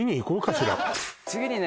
次にね